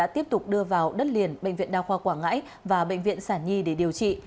tiếp tục đưa vào đất liền bệnh viện đa khoa quảng ngãi và bệnh viện sản nhi để điều trị